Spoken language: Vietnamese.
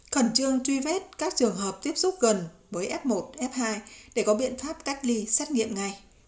khẩn trương truy vết các trường hợp tiếp xúc gần với f một f hai để có biện pháp cách ly xét nghiệm ngay